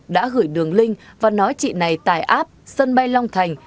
đã gửi đường link và nói chị này tài app sân bay long thành